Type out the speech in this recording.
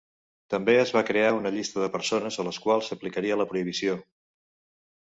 També es va crear una llista de persones a les quals s'aplicaria la prohibició.